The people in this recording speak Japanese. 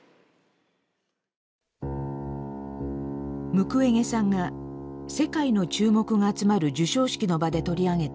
ムクウェゲさんが世界の注目が集まる授賞式の場で取り上げた報告書。